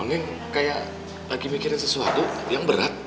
ma neng kayak lagi mikirin sesuatu yang berat